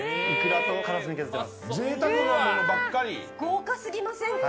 豪華すぎませんか？